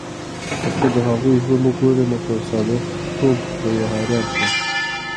که ته د هغوی ژوند وګورې، نو په ساده توب به یې حیران شې.